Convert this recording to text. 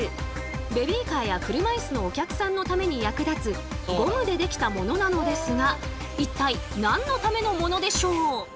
ベビーカーや車椅子のお客さんのために役立つゴムで出来たものなのですが一体何のためのものでしょう？